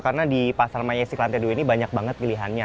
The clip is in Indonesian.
karena di pasar myastic lantai dewi ini banyak banget pilihannya